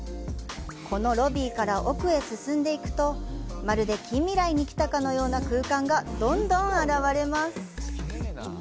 このロビーから奥へ進んでいくと、まるで近未来に来たかのような空間がどんどん現れます。